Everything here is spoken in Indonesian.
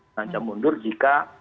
mengancam mundur jika